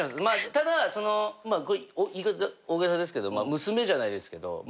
まあ言い方大げさですけど娘じゃないですけど。